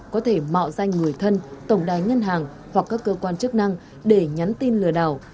có thể mạo danh người thân tổng đài ngân hàng hoặc các cơ quan chức năng để nhắn tin lừa đảo